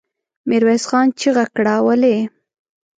ميرويس خان چيغه کړه! ولې؟